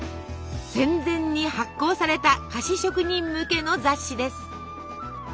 戦前に発行された菓子職人向けの雑誌です。